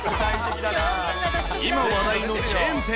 今、話題のチェーン店。